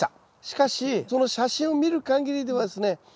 しかしその写真を見るかぎりではですね